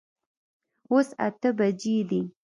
اوس اته بجي دي